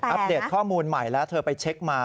เดตข้อมูลใหม่แล้วเธอไปเช็คมา